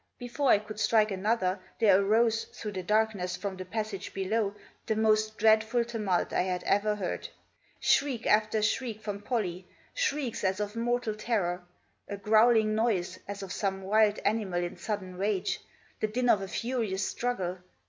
Before I could strike another there arose, through the dark ness, from the passage below, the most dreadful tumult I had ever heard. Shriek after shriek from Pollie ; shrieks as of mortal terror. A growling noise, as of some wild animal in sudden rage. The din of a furious struggle.